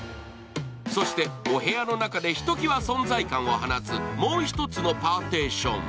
そしてお部屋の中でひときわ存在感を放つもう一つのパーティション。